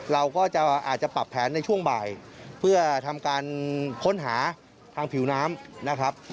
เราก็จะอาจจะปรับแผนในช่วงบ่ายเพื่อทำการค้นหาทางผิวน้ำนะครับ